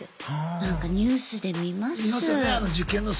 なんかニュースで見ます。